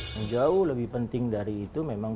yang jauh lebih penting dari itu memang